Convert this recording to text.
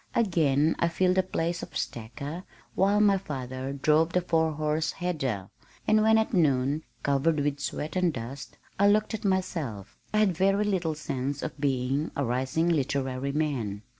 Again I filled the place of stacker while my father drove the four horse header, and when at noon, covered with sweat and dust, I looked at myself, I had very little sense of being a "rising literary man."